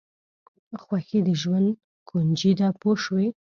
خوښي د ژوند کونجي ده پوه شوې!.